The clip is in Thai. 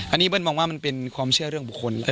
อันนี้เบิ้ลมองว่ามันเป็นความเชื่อเรื่องบุคคลแล้ว